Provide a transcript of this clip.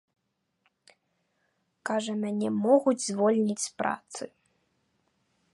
Кажа, мяне могуць звольніць з працы.